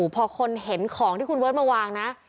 พอคนเห็นของที่คุณเบิร์ตมาวางนะ